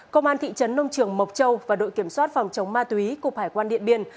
công an thị trấn nông trường mộc châu và đội kiểm soát phòng chống ma túy cục hải quan điện biên